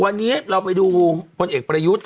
วันนี้เราไปดูพลเอกประยุทธ์